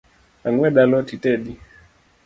Ang’wed a lot itedi?